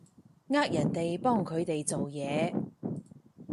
呃人哋幫佢哋做嘢